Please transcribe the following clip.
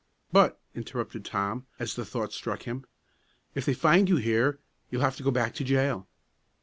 "But," interrupted Tom, as the thought struck him, "if they find you here, you'll have to go back to the jail."